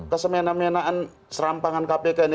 kesemena mena an serampangan kpk ini